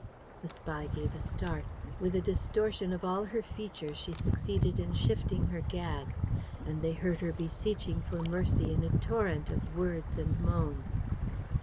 The spy gave a start. With a distortion of all her features she succeeded in shifting her gag; and they heard her beseeching for mercy in a torrent of words and moans.